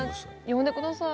呼んで下さい。